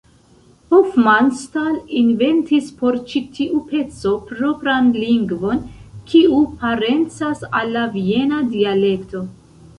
Hofmannsthal inventis por ĉi tiu peco propran lingvon, kiu parencas al la viena dialekto.